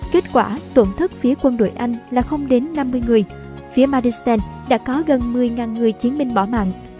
kết quả tổn thất phía quân đội anh là không đến năm mươi người phía madistan đã có gần một mươi người chiến binh bỏ mạng